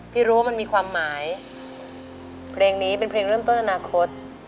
ที่รู้ว่ามันมีความหมายเพลงนี้เป็นเพลงเริ่มต้นอนาคต